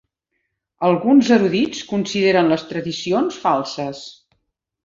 Alguns erudits consideren les tradicions falses.